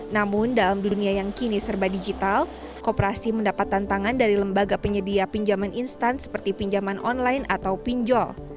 namun dalam dunia yang kini serba digital kooperasi mendapat tantangan dari lembaga penyedia pinjaman instan seperti pinjaman online atau pinjol